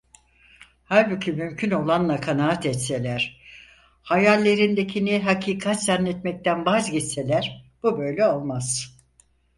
Halbuki mümkün olanla kanaat etseler, hayallerindekini hakikat zannetmekten vazgeçseler bu böyle olmaz.